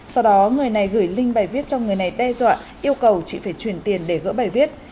sau đó người này gửi link bài viết cho người này đe dọa yêu cầu chị phải chuyển tiền để gỡ bài viết